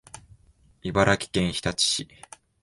茨城県日立市